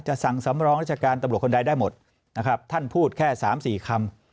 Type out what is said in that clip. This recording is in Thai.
สั่งสำรองราชการตำรวจคนใดได้หมดนะครับท่านพูดแค่๓๔คำ